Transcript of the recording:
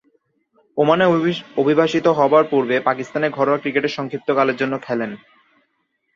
ওমানে অভিবাসিত হবার পূর্বে পাকিস্তানের ঘরোয়া ক্রিকেটে সংক্ষিপ্তকালের জন্য খেলেন।